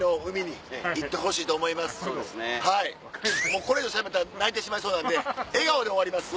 もうこれ以上しゃべったら泣いてしまいそうなんで笑顔で終わります。